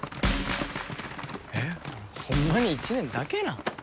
えっホンマに１年だけなん？